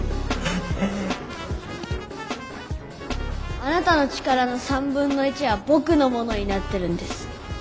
あなたの「力」の３分の１はぼくのものになってるんです。